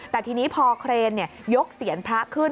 แต่ทีนี้พอเครนยกเสียนพระขึ้น